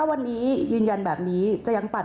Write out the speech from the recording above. ก็พูดเสียงดังฐานชินวัฒน์